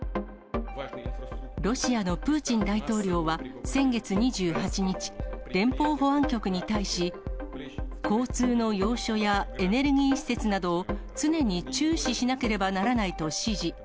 ロシアのプーチン大統領は先月２８日、連邦保安局に対し、交通の要所やエネルギー施設などを、常に注視しなければならないと指示。